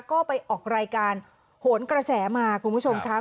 ก็ไปออกรายการโหนกระแสมาคุณผู้ชมค่ะ